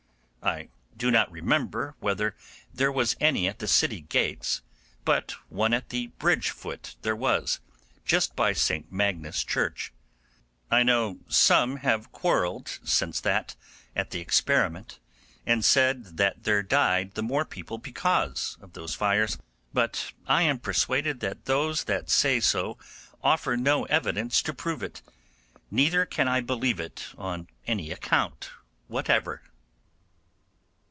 I do not remember whether there was any at the city gates, but one at the Bridge foot there was, just by St Magnus Church. I know some have quarrelled since that at the experiment, and said that there died the more people because of those fires; but I am persuaded those that say so offer no evidence to prove it, neither can I believe it on any account whatever.